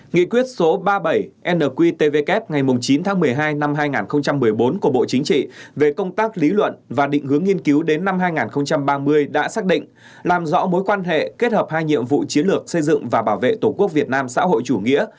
nghị quyết số ba mươi bảy nqtvk ngày chín tháng một mươi hai năm hai nghìn một mươi bốn của bộ chính trị về công tác lý luận và định hướng nghiên cứu đến năm hai nghìn ba mươi đã xác định làm rõ mối quan hệ kết hợp hai nhiệm vụ chiến lược xây dựng và bảo vệ tổ quốc việt nam xã hội chủ nghĩa